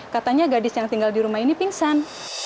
katanya gadis yang tinggal di rumah ini pingsan